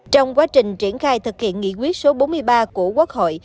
trong quá trình triển khai thực hiện nghị quyết số bốn mươi ba của quốc hội